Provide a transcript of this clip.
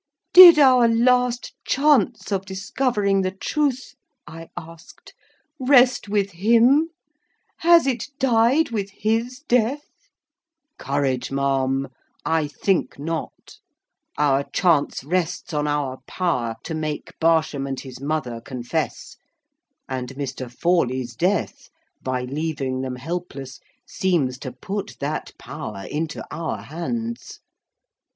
"Did our last chance of discovering the truth," I asked, "rest with him? Has it died with his death?" "Courage, ma'am! I think not. Our chance rests on our power to make Barsham and his mother confess; and Mr. Forley's death, by leaving them helpless, seems to put that power into our hands.